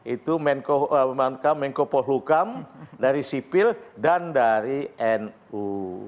itu menko polhukam dari sipil dan dari nu